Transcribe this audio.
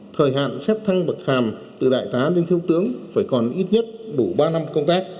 thời hạn xét thăng bậc hàm từ đại tá đến thiếu tướng phải còn ít nhất đủ ba năm công tác